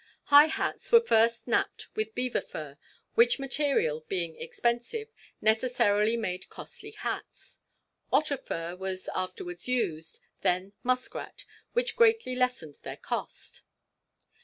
High hats were first napped with beaver fur, which material, being expensive, necessarily made costly hats. Otter fur was afterwards used, then muskrat, which greatly lessened their cost.